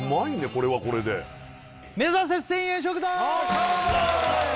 これはこれで目指せ１０００円食堂！